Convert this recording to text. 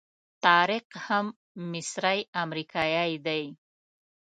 طارق هم مصری امریکایي دی.